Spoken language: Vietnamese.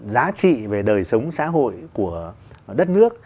giá trị về đời sống xã hội của đất nước